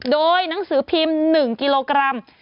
โดยหนังสือพิมพ์๑กิโลกรัม